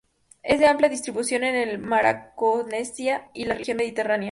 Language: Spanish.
Es de amplia distribución en Macaronesia y la región mediterránea.